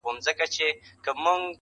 یوه ورځ چي سوه تیاره وخت د ماښام سو-